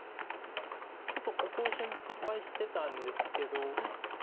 ちょっとここを心配してたんですけど。